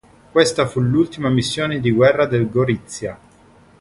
Questa fu l'ultima missione di guerra del "Gorizia".